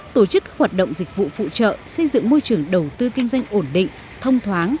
tổ chức các hoạt động dịch vụ phụ trợ xây dựng môi trường đầu tư kinh doanh ổn định